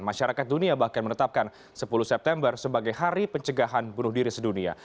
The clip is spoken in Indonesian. masyarakat dunia bahkan menetapkan sepuluh september sebagai hari pencegahan bunuh diri sedunia